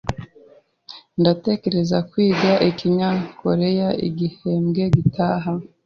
Ndatekereza kwiga ikinyakoreya igihembwe gitaha.